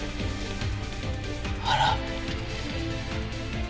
あら。